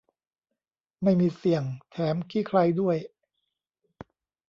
ไม่มีเสี่ยง แถมขี้ไคลด้วย